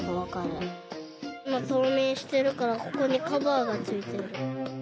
いまとうみんしてるからここにカバーがついてる。